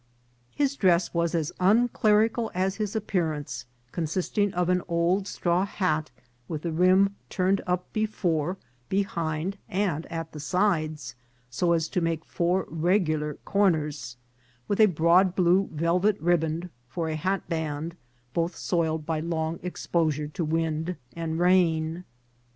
His dress was as uncler ical as his appearance, consisting of an old straw hat, with the rim turned up before, behind, and at the sides, so as to make four regular corners, with a broad blue velvet riband for a hatband, both soiled by long expo sure to wind and rain.